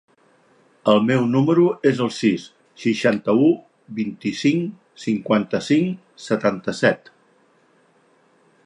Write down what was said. El meu número es el sis, seixanta-u, vint-i-cinc, cinquanta-cinc, setanta-set.